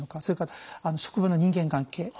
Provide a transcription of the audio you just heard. それから職場の人間関係。